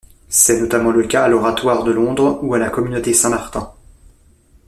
C'est notamment le cas à l'Oratoire de Londres ou à la Communauté Saint-Martin.